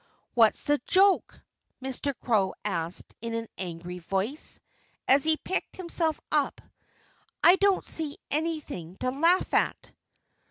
"What's the joke?" Mr. Crow asked in an angry voice, as he picked himself up. "I don't see anything to laugh at."